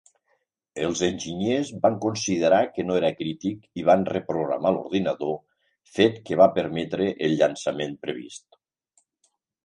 Els enginyers van considerar que no era crític i van reprogramar l'ordinador, fet que va permetre el llançament previst.